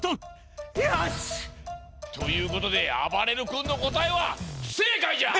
よし！ということであばれる君のこたえはふせいかいじゃ！